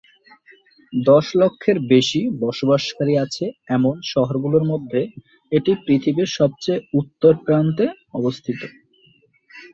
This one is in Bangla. দশ লক্ষের বেশি বসবাসকারী আছে এমন শহরগুলোর মধ্যে এটি পৃথিবীর সবচেয়ে উত্তর প্রান্তে অবস্থিত।